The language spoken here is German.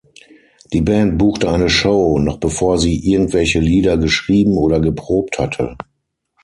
Die Band buchte eine Show, noch bevor sie irgendwelche Lieder geschrieben oder geprobt hatte.